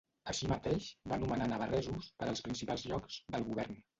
Així mateix, va nomenar navarresos per als principals llocs del govern.